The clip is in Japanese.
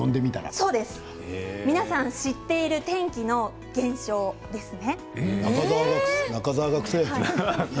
そうです皆さん知っている天気の現象ですね。